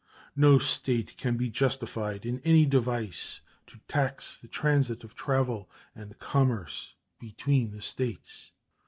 No State can be justified in any device to tax the transit of travel and commerce between States.